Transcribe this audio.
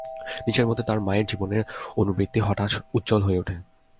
নিজের মধ্যে তার মায়ের জীবনের অনুবৃত্তি হঠাৎ উজ্জ্বল হয়ে ওঠে।